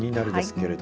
けれど